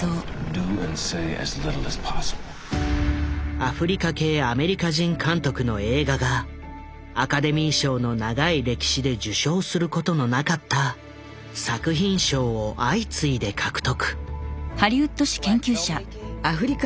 アフリカ系アメリカ人監督の映画がアカデミー賞の長い歴史で受賞することのなかった作品賞を相次いで獲得。